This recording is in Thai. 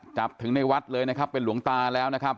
จับถึงในวัดเลยนะครับเป็นหลวงตาแล้วนะครับ